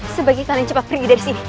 sebagai kalian cepat pergi dari sini